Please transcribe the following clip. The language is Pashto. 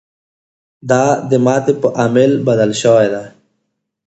دا د ماتې په عامل بدل شوی دی.